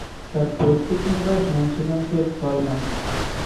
তার পৈতৃক নিবাস মুন্সিগঞ্জের কলমায়।